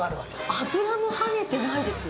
油もはねてないですよね。